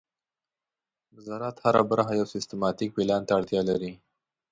د زراعت هره برخه یو سیستماتيک پلان ته اړتیا لري.